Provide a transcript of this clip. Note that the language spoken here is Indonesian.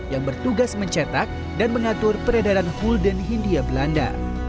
yang bertugas mencetak dan mengatur peredaran hulden hindia belanda